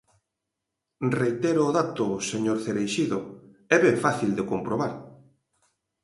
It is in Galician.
Reitero o dato, señor Cereixido, é ben fácil de comprobar.